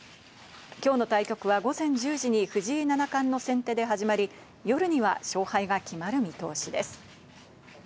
きょうの対局は午前１０時に藤井七冠の先手で始まり、夜には勝敗が決まる見通しです。